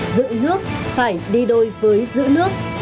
giữ nước phải đi đôi với giữ nước